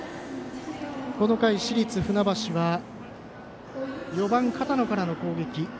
この回、市立船橋は４番、片野からの攻撃。